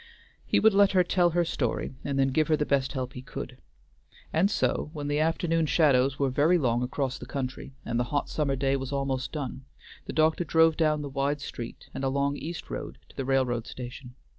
He would let her tell her story, and then give her the best help he could; and so when the afternoon shadows were very long across the country, and the hot summer day was almost done, the doctor drove down the wide street and along East Road to the railroad station.